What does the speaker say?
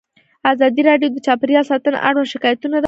ازادي راډیو د چاپیریال ساتنه اړوند شکایتونه راپور کړي.